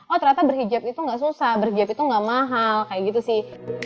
oh ternyata berhijab itu gak susah berhijab itu gak mahal kayak gitu sih